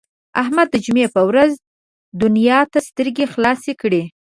احمد د جمعې په ورځ دنیا ته سترګې خلاصې کړې.